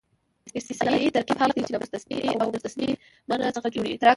استثنایي ترکیب هغه دئ، چي له مستثنی او مستثنی منه څخه جوړ يي.